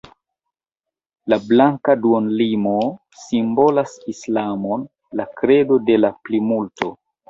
La blanka duonluno simbolas islamon, la kredo de la plimulto.